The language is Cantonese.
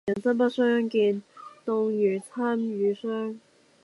人生不相見，動如參與商。